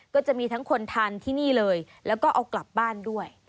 ก็จะมีทั้งคนทานที่นี่เลยแล้วก็เอากลับบ้านด้วย